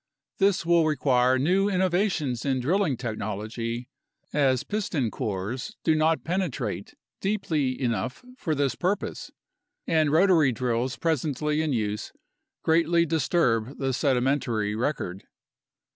This will require new innovations in drilling technology, as piston cores do not penetrate deeply enough for this purpose, and rotary drills presently in use greatly disturb the sedimentary record.